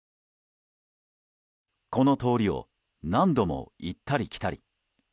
この通りを何度も行ったり来たり。